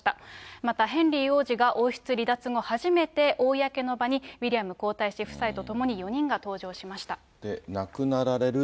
また、ヘンリー王子が王室離脱後初めて、公の場に、ウィリアム皇太子夫妻と４人が登場しました。